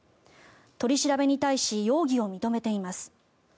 取り調べに対し容疑を認めています。